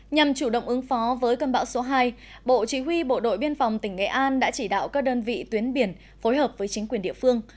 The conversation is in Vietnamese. nhằm chủ động ứng phó với cơn bão số hai bộ chỉ huy bộ đội biên phòng tỉnh nghệ an đã chỉ đạo các đơn vị tuyến biển phối hợp với chính quyền địa phương